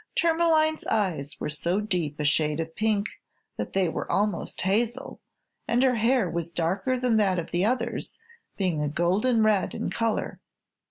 Tourmaline's eyes were so deep a shade of pink that they were almost hazel, and her hair was darker than that of the others, being a golden red in color.